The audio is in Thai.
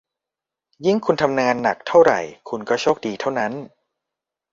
ยิ่งคุณทำงานหนักเท่าไหร่ คุณก็โชคดีเท่านั้น